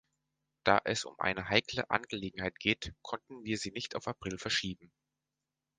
Da es um eine heikle Angelegenheit geht, konnten wir sie nicht auf April verschieben.